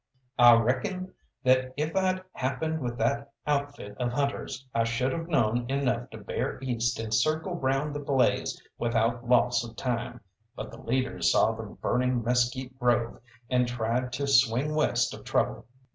I reckon that if I'd happened with that outfit of hunters, I should have known enough to bear east and circle round the blaze without loss of time; but the leaders saw the burning mesquite grove, and tried to swing west of trouble.